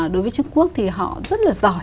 đối với trung quốc thì họ rất là giỏi